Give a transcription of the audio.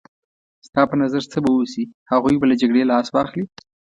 ستا په نظر څه به وشي؟ هغوی به له جګړې لاس واخلي.